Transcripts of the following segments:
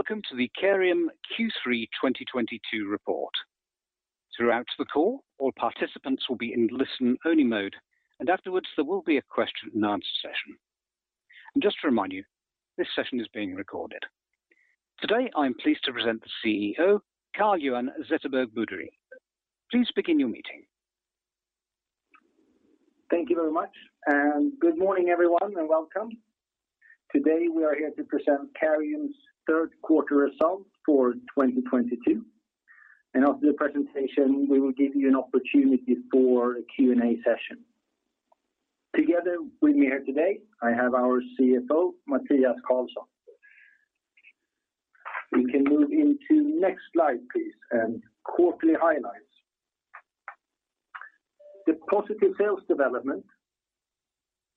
Welcome to the Careium Q3 2022 report. Throughout the call, all participants will be in listen-only mode, and afterwards, there will be a question and answer session. Just to remind you, this session is being recorded. Today, I'm pleased to present the CEO, Carl-Johan Zetterberg Boudrie. Please begin your meeting. Thank you very much. Good morning, everyone, and welcome. Today, we are here to present Careium's Q3 results for 2022. After the presentation, we will give you an opportunity for a Q&A session. Together with me here today, I have our CFO, Mathias Carlsson. We can move to the next slide, please, and quarterly highlights. The positive sales development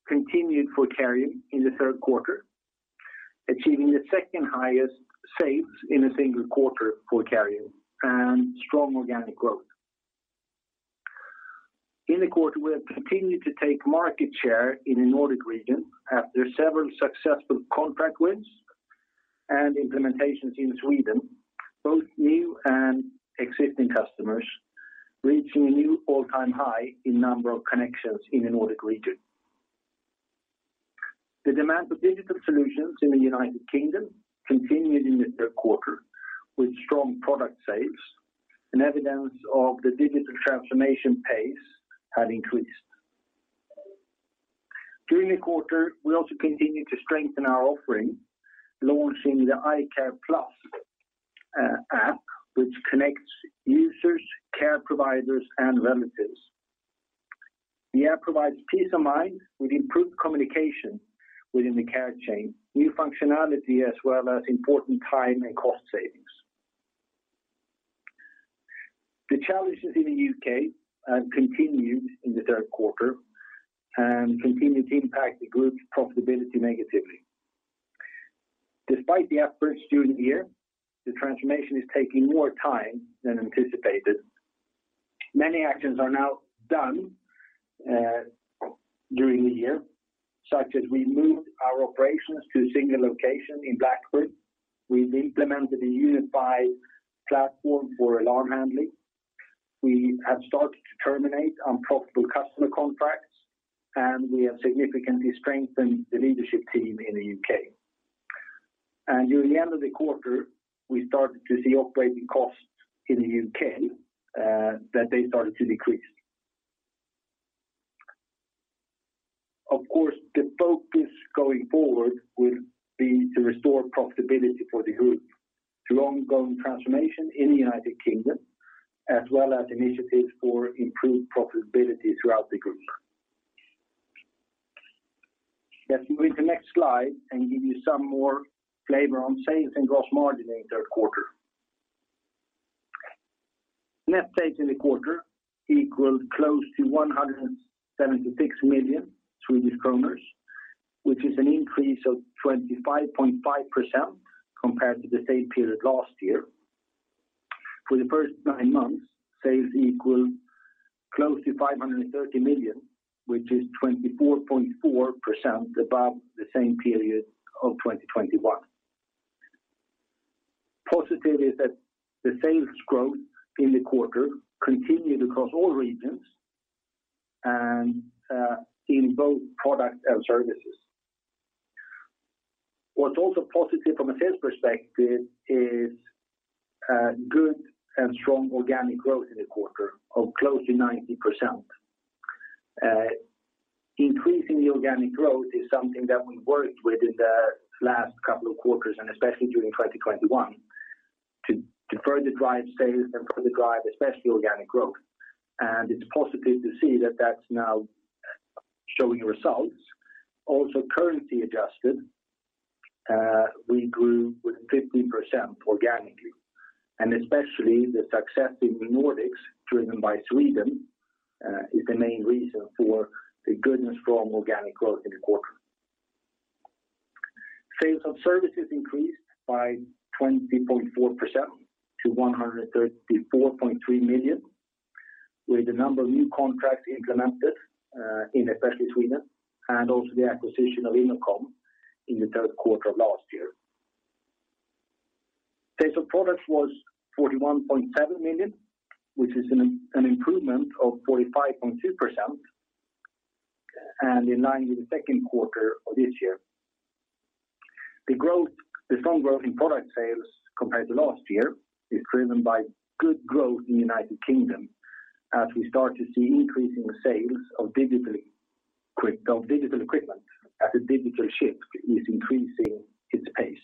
continued for Careium in the Q3, achieving the second-highest sales in a single quarter for Careium and strong organic growth. In the quarter, we have continued to take market share in the Nordic region after several successful contract wins and implementations in Sweden, both new and existing customers, reaching a new all-time high in number of connections in the Nordic region. The demand for digital solutions in the United Kingdom continued in the Q3 with strong product sales and evidence of the digital transformation pace had increased. During the quarter, we also continued to strengthen our offering, launching the i-care plus app, which connects users, care providers, and relatives. The app provides peace of mind with improved communication within the care chain, new functionality as well as important time and cost savings. The challenges in the U.K. continued in the Q3 and continued to impact the group's profitability negatively. Despite the efforts during the year, the transformation is taking more time than anticipated. Many actions are now done during the year, such as we moved our operations to a single location in Blackburn. We've implemented a unified platform for alarm handling. We have started to terminate unprofitable customer contracts, and we have significantly strengthened the leadership team in the U.K. During the end of the quarter, we started to see operating costs in the U.K. that they started to decrease. Of course, the focus going forward will be to restore profitability for the group through ongoing transformation in the United Kingdom, as well as initiatives for improved profitability throughout the group. Let's move to the next slide and give you some more flavor on sales and gross margin in Q3. Net sales in the quarter equaled close to 176 million Swedish kronor, which is an increase of 25.5% compared to the same period last year. For the first nine months, sales equal close to 530 million, which is 24.4% above the same period of 2021. Positive is that the sales growth in the quarter continued across all regions and in both products and services. What's also positive from a sales perspective is good and strong organic growth in the quarter of close to 90%. Increasing the organic growth is something that we worked with in the last couple of quarters, and especially during 2021 to further drive sales and further drive especially organic growth. It's positive to see that that's now showing results. Also, currency adjusted, we grew with 15% organically. Especially the success in the Nordics, driven by Sweden, is the main reason for the good and strong organic growth in the quarter. Sales of services increased by 20.4% to 134.3 million, with a number of new contracts implemented in especially Sweden and also the acquisition of Innocom in the Q3 of last year. Sales of product was 41.7 million, which is an improvement of 45.2% and in line with the second quarter of this year. The strong growth in product sales compared to last year is driven by good growth in the United Kingdom as we start to see increasing sales of digital equipment as the digital shift is increasing its pace.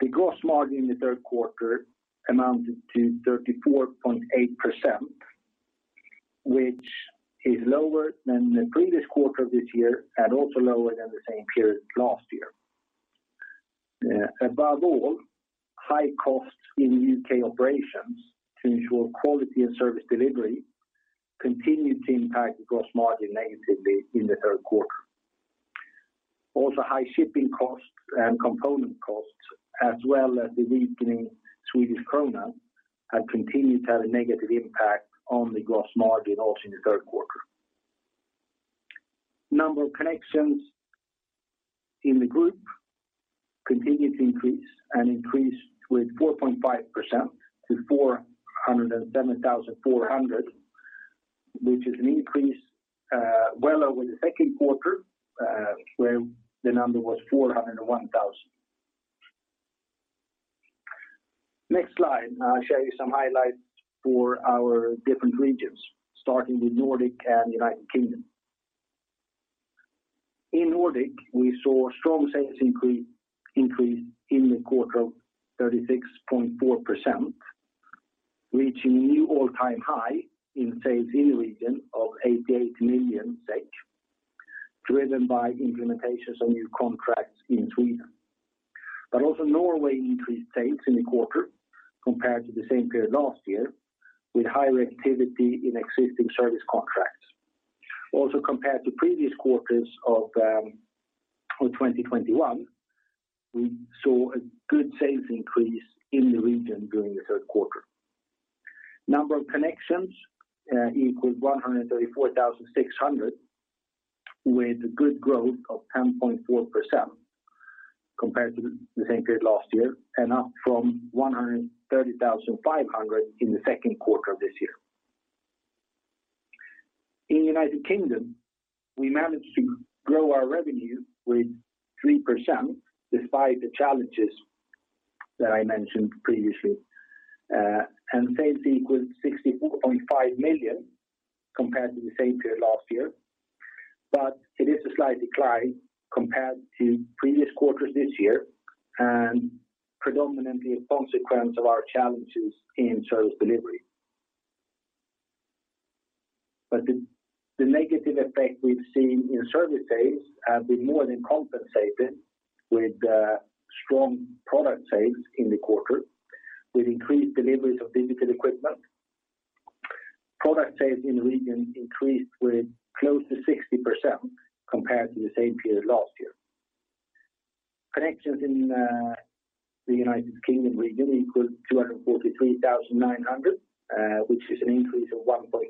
The gross margin in the Q3 amounted to 34.8%, which is lower than the previous quarter this year and also lower than the same period last year. Above all, high costs in U.K. operations to ensure quality and service delivery continued to impact the gross margin negatively in the Q3. Also, high shipping costs and component costs, as well as the weakening Swedish krona, have continued to have a negative impact on the gross margin also in the Q3. number of connections in the group continued to increase with 4.5% to 407,400, which is an increase well over the Q2 where the number was 401,000. Next slide, I'll show you some highlights for our different regions, starting with Nordic and United Kingdom. In Nordic, we saw strong sales increase in the quarter of 36.4%, reaching new all-time high in sales in the region of 88 million SEK, driven by implementations of new contracts in Sweden. Also Norway increased sales in the quarter compared to the same period last year, with higher activity in existing service contracts. Also, compared to previous quarters of 2021, we saw a good sales increase in the region during the Q3. Number of connections equals 134,600 with good growth of 10.4% compared to the same period last year and up from 130,500 in the Q2 of this year. In United Kingdom, we managed to grow our revenue with 3% despite the challenges that I mentioned previously. Sales equals 64.5 million compared to the same period last year. It is a slight decline compared to previous quarters this year and predominantly a consequence of our challenges in service delivery. The negative effect we've seen in service sales have been more than compensated with strong product sales in the quarter, with increased deliveries of digital equipment. Product sales in the region increased with close to 60% compared to the same period last year. Connections in the United Kingdom region equals 243,900, which is an increase of 1.3%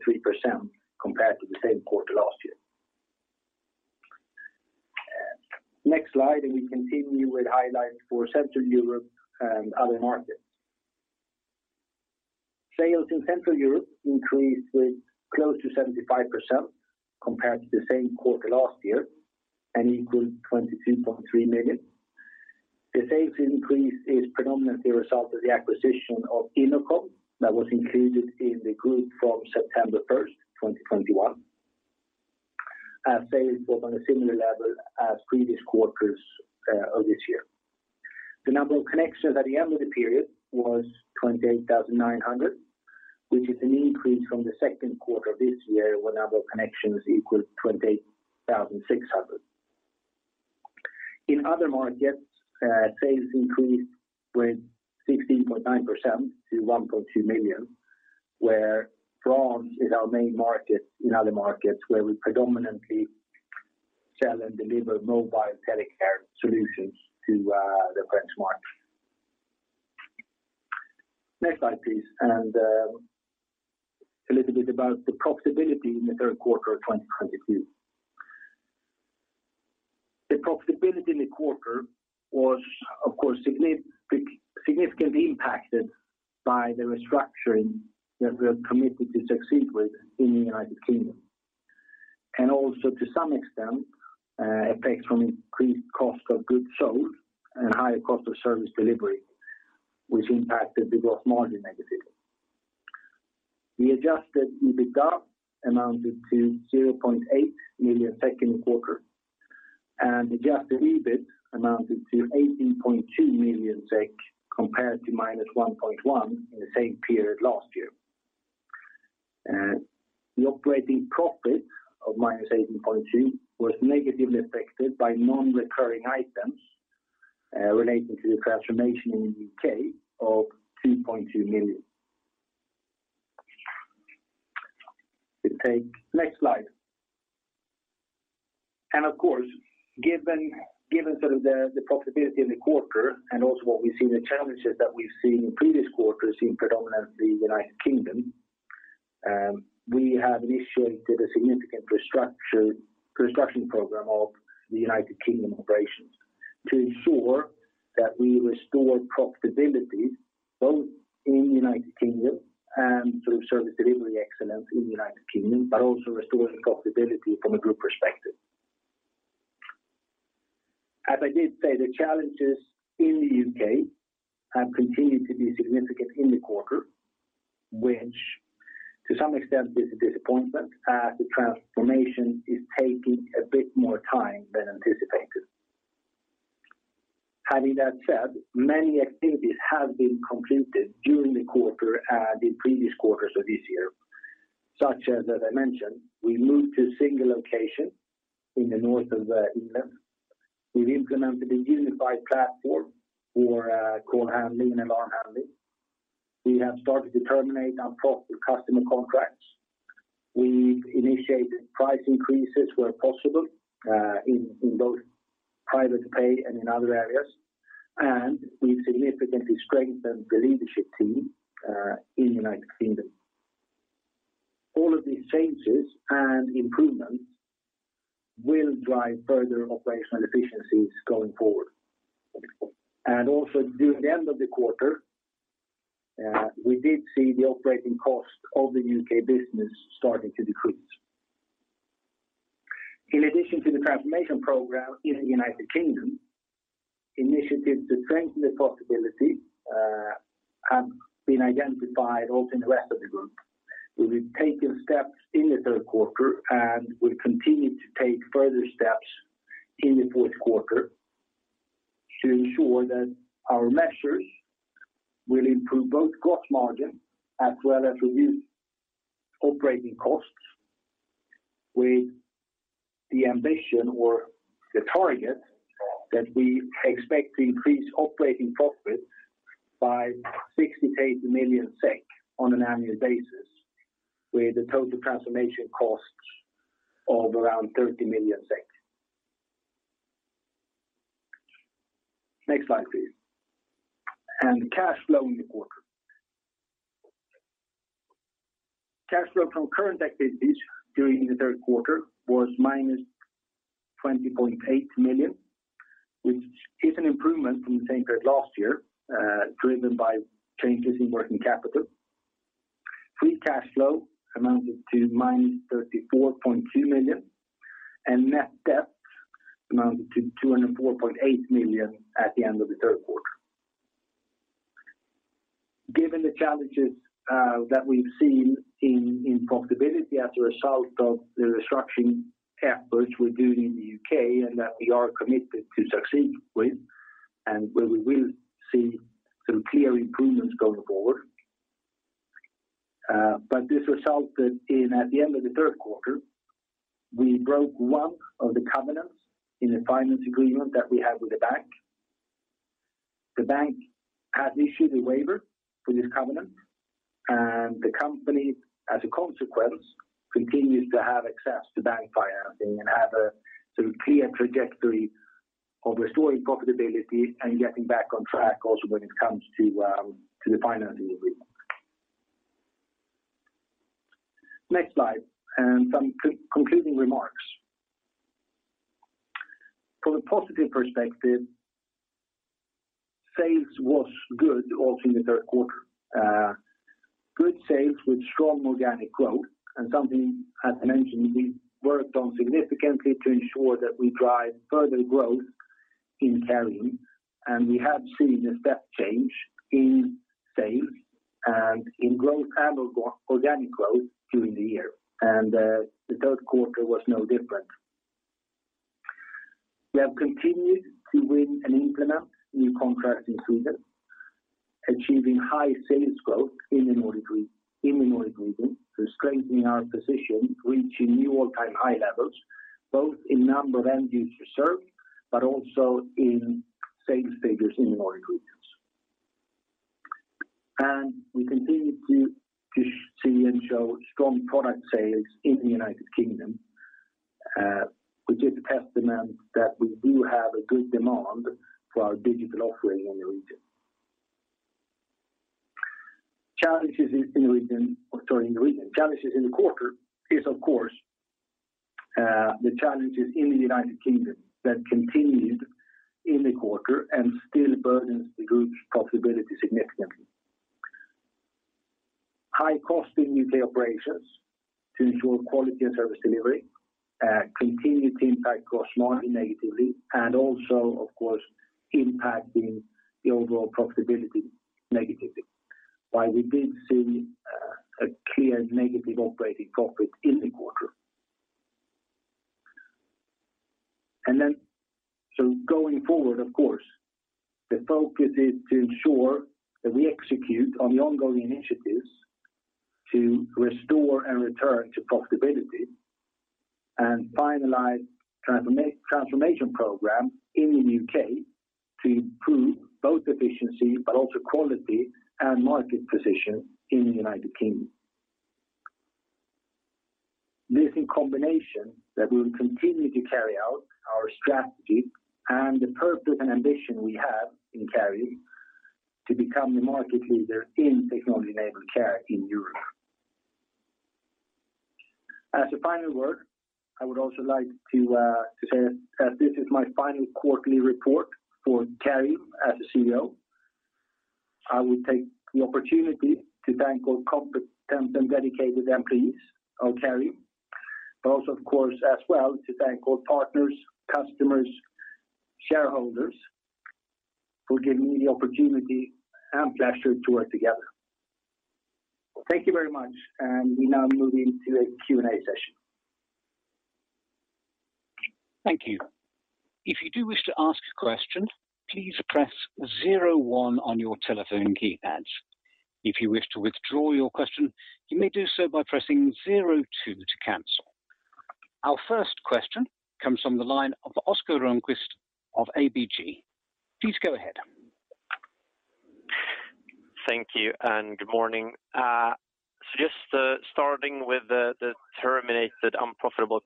compared to the same quarter last year. Next slide. We continue with highlights for Central Europe and other markets. Sales in Central Europe increased with close to 75% compared to the same quarter last year and equals 22.3 million. The sales increase is predominantly a result of the acquisition of Innocom that was included in the group from September 1st 2021. Sales was on a similar level as previous quarters of this year. The number of connections at the end of the period was 28,900, which is an increase from the second quarter of this year when number of connections equals 28,600. In other markets, sales increased with 16.9% to 1.2 million, where France is our main market in other markets where we predominantly sell and deliver mobile telecare solutions to the French market. Next slide, please. A little bit about the profitability in the Q3 of 2022. The profitability in the quarter was of course significantly impacted by the restructuring that we are committed to succeed with in the United Kingdom. To some extent, effects from increased cost of goods sold and higher cost of service delivery, which impacted the gross margin negatively. The adjusted EBITDA amounted to 0.8 million SEK in the quarter, and adjusted EBIT amounted to 18.2 million SEK compared to -1.1 million in the same period last year. The operating profit of -18.2 million was negatively affected by non-recurring items relating to the transformation in the U.K. of 2.2 million. We take next slide. Of course, given the profitability in the quarter and also what we see in the challenges that we've seen in previous quarters in predominantly United Kingdom, we have initiated a significant restructuring program of the United Kingdom operations to ensure that we restore profitability both in United Kingdom and through service delivery excellence in United Kingdom, but also restoring profitability from a group perspective. As I did say, the challenges in the U.K. have continued to be significant in the quarter, which to some extent is a disappointment as the transformation is taking a bit more time than anticipated. Having that said, many activities have been completed during the quarter and in previous quarters of this year, such as I mentioned, we moved to a single location in the north of England. We've implemented a unified platform for call handling and alarm handling. We have started to terminate unprofitable customer contracts. We initiate price increases where possible in both private pay and in other areas, and we've significantly strengthened the leadership team in United Kingdom. All of these changes and improvements will drive further operational efficiencies going forward. Also during the end of the quarter, we did see the operating cost of the U.K. business starting to decrease. In addition to the transformation program in the United Kingdom, initiatives to strengthen the profitability have been identified also in the rest of the group. We've been taking steps in the Q3 and will continue to take further steps in the Q4 to ensure that our measures will improve both gross margin as well as reduce operating costs with the ambition or the target that we expect to increase operating profits by 68 million SEK on an annual basis, with the total transformation costs of around SEK 30 million. Next slide, please. Cash flow in the quarter. Cash flow from current activities during the Q3 was -20.8 million, which is an improvement from the same period last year, driven by changes in working capital. Free cash flow amounted to -34.2 million, and net debt amounted to 204.8 million at the end of the Q3. Given the challenges that we've seen in profitability as a result of the restructuring efforts we're doing in the U.K., and that we are committed to succeed with, and where we will see some clear improvements going forward. This resulted in, at the end of the Q3, we broke one of the covenants in the finance agreement that we have with the bank. The bank has issued a waiver for this covenant, and the company, as a consequence, continues to have access to bank financing and have a sort of clear trajectory of restoring profitability and getting back on track also when it comes to the financing agreement. Next slide, some concluding remarks. From a positive perspective, sales was good also in the Q3. Good sales with strong organic growth and something I had mentioned we worked on significantly to ensure that we drive further growth in Careium. We have seen a step change in sales and in growth and organic growth during the year. The Q3 was no different. We have continued to win and implement new contracts in Sweden, achieving high sales growth in the Nordic region, so strengthening our position, reaching new all-time high levels, both in number of end users served, but also in sales figures in the Nordic regions. We continue to see and show strong product sales in the United Kingdom, which is a testament that we do have a good demand for our digital offering in the region. Challenges in the region. Challenges in the quarter is, of course, the challenges in the United Kingdom that continued in the quarter and still burdens the group's profitability significantly. High cost in U.K. operations to ensure quality and service delivery continued to impact gross margin negatively and also, of course, impacting the overall profitability negatively. While we did see a clear negative operating profit in the quarter. Going forward, of course, the focus is to ensure that we execute on the ongoing initiatives to restore and return to profitability and finalize transformation program in the U.K. to improve both efficiency but also quality and market position in the United Kingdom. This in combination that we'll continue to carry out our strategy and the purpose and ambition we have in Careium to become the market leader in technology-enabled care in Europe. As a final word, I would also like to say that this is my final quarterly report for Careium as a CEO. I will take the opportunity to thank all competent and dedicated employees of Careium, but also, of course, as well, to thank all partners, customers, shareholders for giving me the opportunity and pleasure to work together. Thank you very much, and we now move into a Q&A session. Thank you. If you do wish to ask a question, please press zero one on your telephone keypad. If you wish to withdraw your question, you may do so by pressing zero two to cancel. Our first question comes from the line of Oskar Rönnqvist of ABG. Please go ahead. Thank you and good morning. Just starting with the terminated unprofitable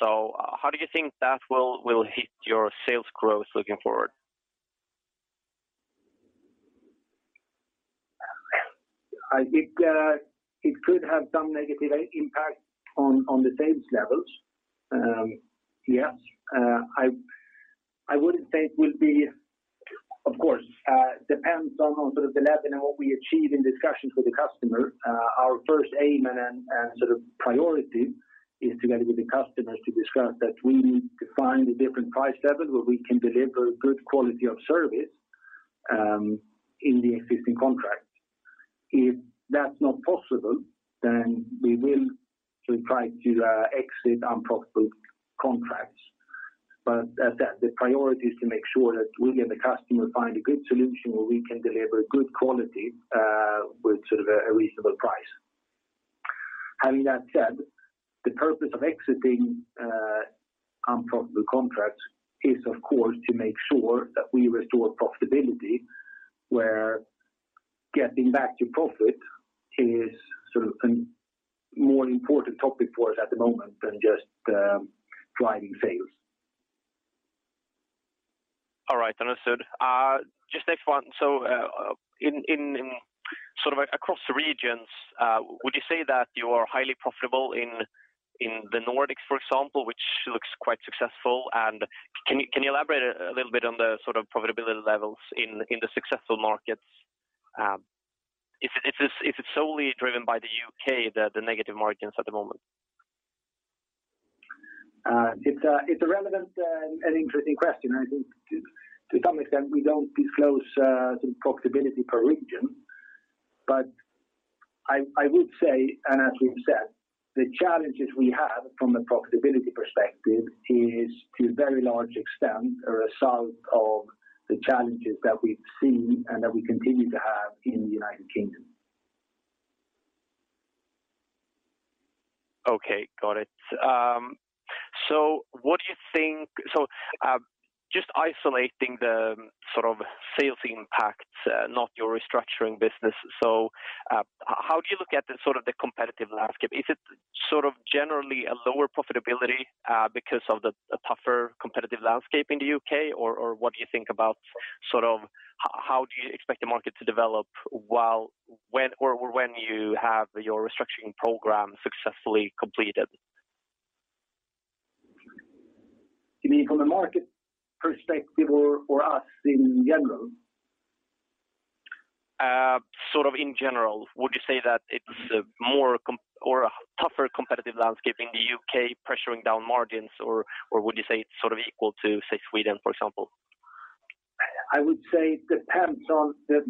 contracts. How do you think that will hit your sales growth looking forward? I think it could have some negative impact on the sales levels. Yes. I wouldn't say it will be. Of course, it depends on sort of the level and what we achieve in discussions with the customer. Our first aim and sort of priority is together with the customers to discuss that we need to find a different price level where we can deliver good quality of service in the existing contract. If that's not possible, then we will try to exit unprofitable contracts. As said, the priority is to make sure that we and the customer find a good solution where we can deliver good quality with sort of a reasonable price. Having that said, the purpose of exiting unprofitable contracts is, of course, to make sure that we restore profitability, where getting back to profit is sort of a more important topic for us at the moment than just driving sales. All right, understood. Just next one. In sort of across the regions, would you say that you are highly profitable in the Nordics, for example, which looks quite successful? Can you elaborate a little bit on the sort of profitability levels in the successful markets? If it's solely driven by the U.K., the negative margins at the moment. It's a relevant and interesting question. I think to some extent we don't disclose the profitability per region. I would say, and as we've said, the challenges we have from a profitability perspective is to a very large extent a result of the challenges that we've seen and that we continue to have in the United Kingdom. Okay, got it. So what do you think, just isolating the sort of sales impact, not your restructuring business. How do you look at the sort of the competitive landscape? Is it sort of generally a lower profitability because of the tougher competitive landscape in the U.K.? What do you think about sort of how do you expect the market to develop when you have your restructuring program successfully completed? You mean from a market perspective or us in general? Sort of in general. Would you say that it's a more or a tougher competitive landscape in the U.K. pressuring down margins, or would you say it's sort of equal to, say, Sweden, for example? I would say depends on the.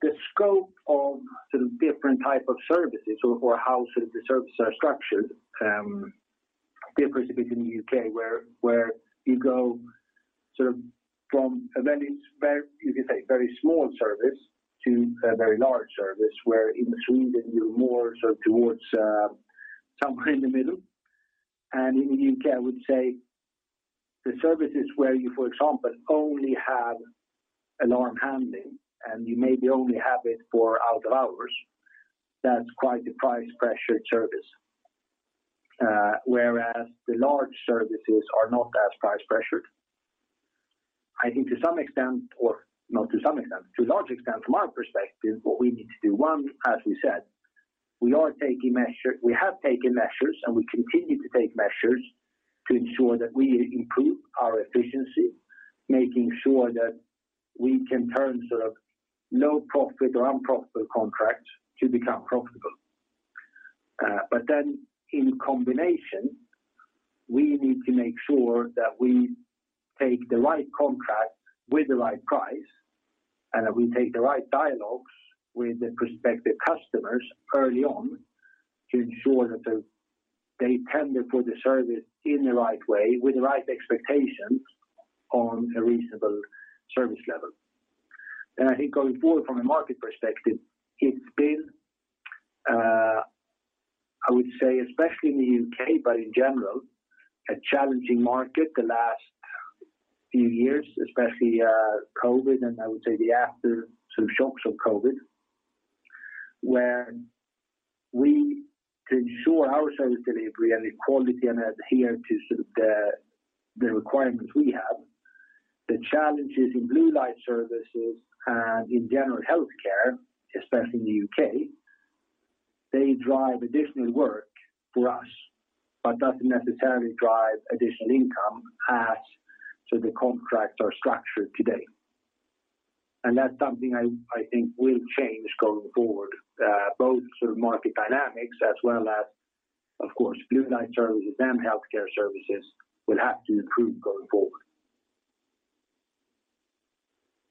The scope of the different type of services or how sort of the services are structured differs between the U.K. where you go sort of from a very, you could say, very small service to a very large service, where in between the more sort of towards somewhere in the middle. In the U.K., I would say the services where you, for example, only have alarm handling, and you maybe only have it for out of hours, that's quite the price pressured service. Whereas the large services are not as price pressured. I think to a large extent from our perspective, what we need to do, one, as we said, we are taking measure. We have taken measures, and we continue to take measures to ensure that we improve our efficiency, making sure that we can turn sort of no profit or unprofitable contracts to become profitable. But then in combination, we need to make sure that we take the right contract with the right price, and that we take the right dialogues with the prospective customers early on to ensure that they tender for the service in the right way with the right expectations on a reasonable service level. I think going forward from a market perspective, it's been, I would say, especially in the U.K., but in general, a challenging market the last few years, especially, COVID, and I would say the after some shocks of COVID, where we could ensure our service delivery and the quality and adhere to sort of the requirements we have. The challenges in blue light services and in general health care, especially in the U.K., they drive additional work for us, but doesn't necessarily drive additional income as so the contracts are structured today. That's something I think will change going forward, both sort of market dynamics as well as, of course, blue light services and health care services will have to improve going forward.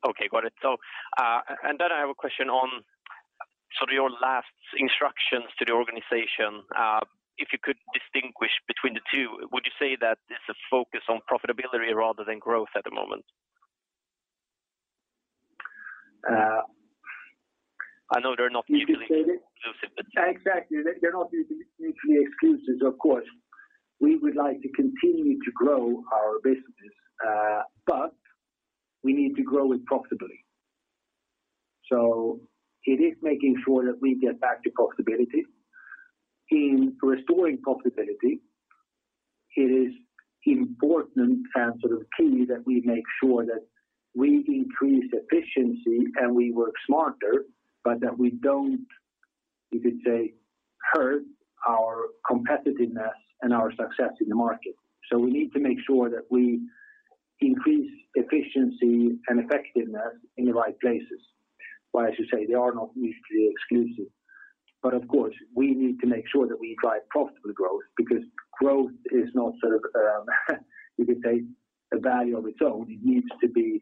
Okay, got it. I have a question on sort of your last instructions to the organization. If you could distinguish between the two, would you say that it's a focus on profitability rather than growth at the moment? I know they're not mutually exclusive. Exactly. They're not mutually exclusive. Of course, we would like to continue to grow our businesses, but we need to grow it profitably. It is making sure that we get back to profitability. In restoring profitability, it is important and sort of key that we make sure that we increase efficiency and we work smarter, but that we don't, you could say, hurt our competitiveness and our success in the market. We need to make sure that we increase efficiency and effectiveness in the right places. As you say, they are not mutually exclusive. Of course, we need to make sure that we drive profitable growth because growth is not sort of, you could say, a value of its own. It needs to be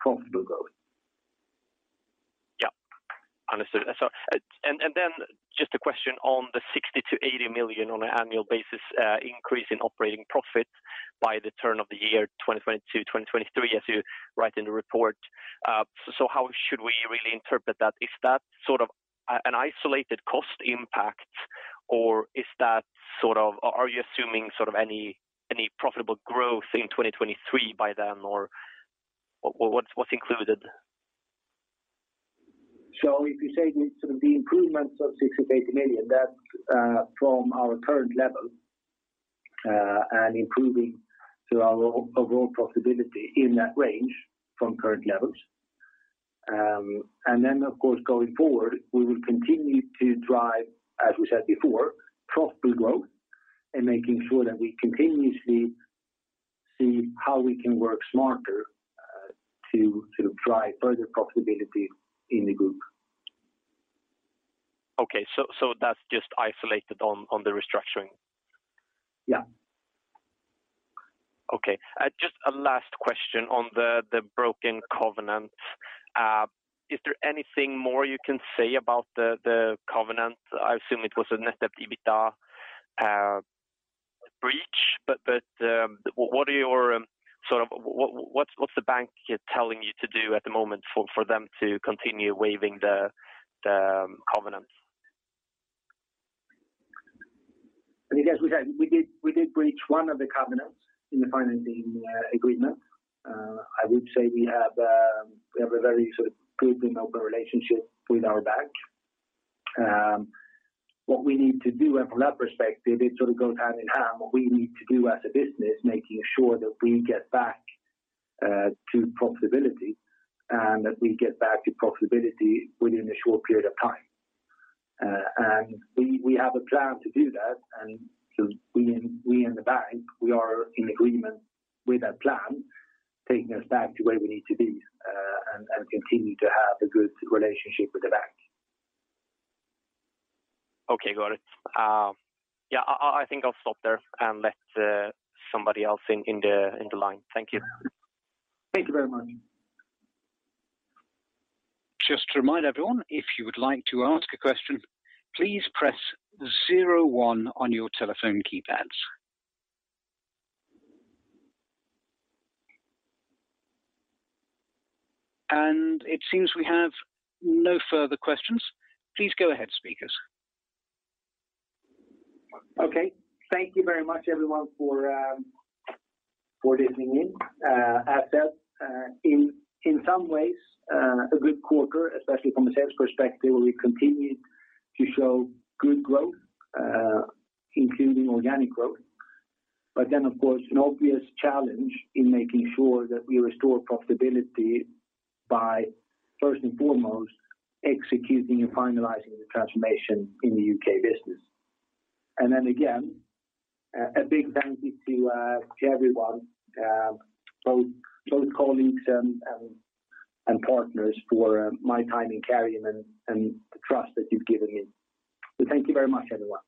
profitable growth. Yeah. Understood. Then just a question on the 60 million- 80 million on an annual basis, increase in operating profit by the turn of the year 2022, 2023, as you write in the report. How should we really interpret that? Is that sort of an isolated cost impact, or is that sort of? Are you assuming sort of any profitable growth in 2023 by then, or what's included? If you say sort of the improvements of 60 million-80 million, that's from our current level and improving to our overall profitability in that range from current levels. Of course, going forward, we will continue to drive, as we said before, profitable growth and making sure that we continuously see how we can work smarter to drive further profitability in the group. Okay. That's just isolated on the restructuring? Yeah. Okay. Just a last question on the broken covenant. Is there anything more you can say about the covenant? I assume it was a net debt EBITDA breach. What's the bank telling you to do at the moment for them to continue waiving the covenant? I think as we said, we did breach one of the covenants in the financing agreement. I would say we have a very sort of good and open relationship with our bank. What we need to do and from that perspective, it sort of goes hand in hand, what we need to do as a business, making sure that we get back to profitability and that we get back to profitability within a short period of time. We have a plan to do that. We and the bank are in agreement with that plan, taking us back to where we need to be and continue to have a good relationship with the bank. Okay, got it. Yeah, I think I'll stop there and let somebody else in the line. Thank you. Thank you very much. Just to remind everyone, if you would like to ask a question, please press zero one on your telephone keypads. It seems we have no further questions. Please go ahead, speakers. Okay. Thank you very much, everyone, for listening in. As said, in some ways, a good quarter, especially from a sales perspective, we continued to show good growth, including organic growth. Of course, an obvious challenge in making sure that we restore profitability by first and foremost executing and finalizing the transformation in the U.K. business. A big thank you to everyone, both colleagues and partners for my time in Careium and the trust that you've given me. Thank you very much, everyone.